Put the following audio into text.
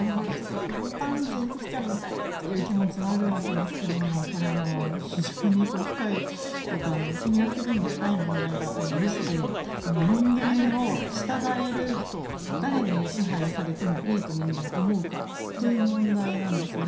一般人としては見たいという気持ちもあるわけですけどもこれ、非常に深いというか心理学的にも深い問題がありまして誰に支配されてもいいと人間は思うかという問題なんですね。